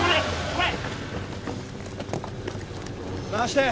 はい。